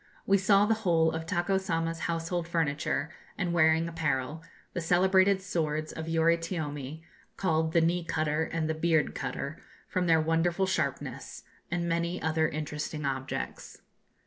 We saw the whole of Tako Sama's household furniture and wearing apparel, the celebrated swords of Yoritiome, called the 'knee cutter' and the 'beard cutter,' from their wonderful sharpness, and many other interesting objects.